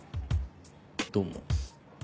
どうも。